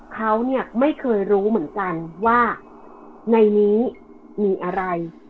เขาเนี่ยไม่เคยรู้เหมือนกันว่าในนี้มีอะไร